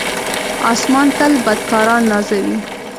آسمان تل بدکاران نازوي.